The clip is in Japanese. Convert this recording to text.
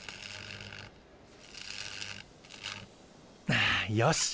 ああよし。